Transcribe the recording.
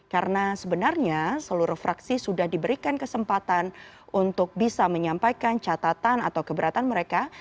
karena sebenarnya seluruh fraksi sudah diberikan kesempatan untuk bisa menyampaikan catatan atau keberatan mereka